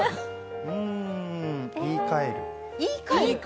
うーん、言いかえる。